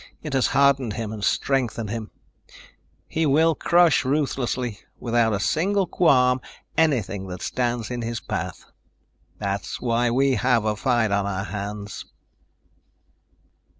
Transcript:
It has hardened him and strengthened him. He will crush ruthlessly, without a single qualm, anything that stands in his path. That's why we'll have a fight on our hands."